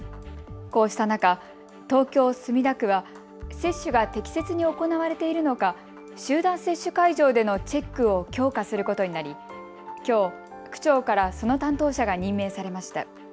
こうした中、東京墨田区は接種が適切に行われているのか集団接種会場でのチェックを強化することになりきょう、区長からその担当者が任命されました。